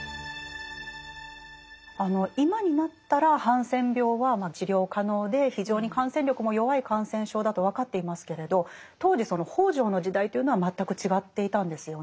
今になったらハンセン病は治療可能で非常に感染力も弱い感染症だと分かっていますけれど当時その北條の時代というのは全く違っていたんですよね。